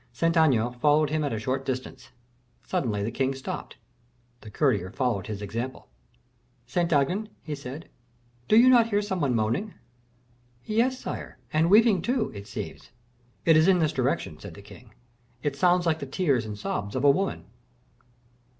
Saint Aignan followed him at a short distance. Suddenly the king stopped; the courtier followed his example. "Saint Aignan," he said, "do you not hear some one moaning?" "Yes, sire, and weeping, too, it seems." "It is in this direction," said the king. "It sounds like the tears and sobs of a woman."